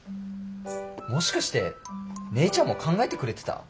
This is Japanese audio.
もしかして姉ちゃんも考えてくれてた？